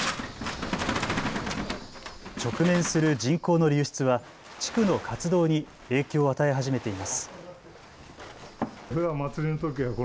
直面する人口の流出は地区の活動に影響を与え始めています。